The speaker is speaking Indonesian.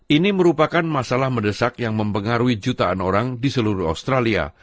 ini merupakan masalah medesak yang mempengaruhi jutaan orang di seluruh australia